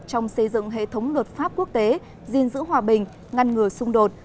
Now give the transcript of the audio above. trong xây dựng hệ thống luật pháp quốc tế gìn giữ hòa bình ngăn ngừa xung đột